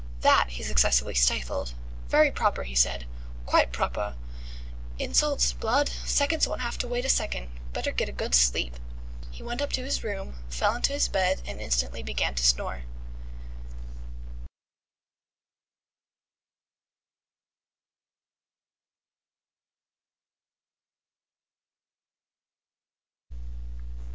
That he successfully stifled. "Very proper," he said aloud. "Qui' proper. Insults. Blood. Seconds won't have to wait a second. Better get a good sleep." He went up to his room, fell on to his bed and instantly began to snore.